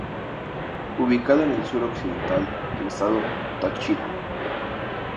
Ubicado en Sur-Occidental del Estado Táchira.